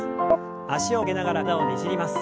脚を曲げながら体をねじります。